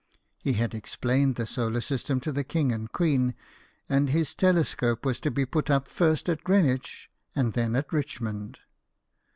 He had explained the solar system to the king and queen, and his telescope was to be put up first at Greenwich and then at Richmond.